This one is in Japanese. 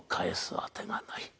当てがない。